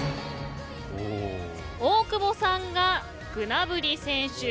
大久保さんがグナブリ選手